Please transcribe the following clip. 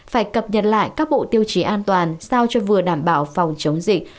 phải cập nhật lại các bộ tiêu chí an toàn sao cho vừa đảm bảo phòng chống dịch